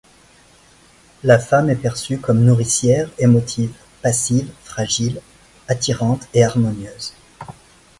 La femme est perçue comme nourricière, émotive, passive, fragile, attirante et harmonieuse.